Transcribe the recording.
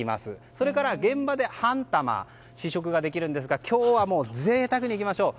それから、現場で半玉試食ができるんですが今日は贅沢にいきましょう。